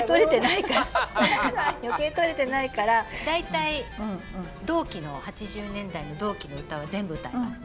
余計とれてないから大体同期の８０年代の同期の歌は全部歌います。